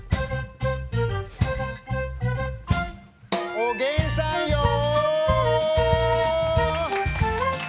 おげんさんよー！